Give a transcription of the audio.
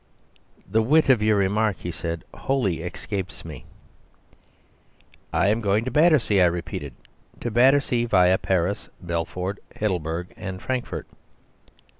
"The wit of your remark," he said, "wholly escapes me." "I am going to Battersea," I repeated, "to Battersea viâ Paris, Belfort, Heidelberg, and Frankfort.